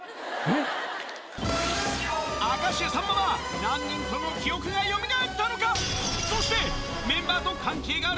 明石家さんまは何人との記憶がよみがえったのか？